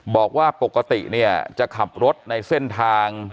บอกว่าปกติเนี่ยจะขับรถในเส้นทาง